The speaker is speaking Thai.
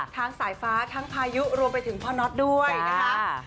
สายฟ้าทั้งพายุรวมไปถึงพ่อน็อตด้วยนะคะ